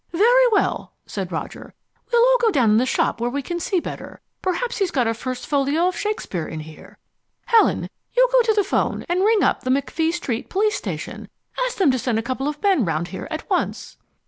"Very well," said Roger. "We'll go down in the shop where we can see better. Perhaps he's got a first folio Shakespeare in here. Helen, you go to the phone and ring up the McFee Street police station. Ask them to send a couple of men round here at once."